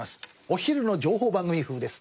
お昼の情報番組風です。